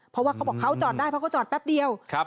เพราะว่าเขาบอกเขาจอดได้เพราะเขาจอดแป๊บเดียว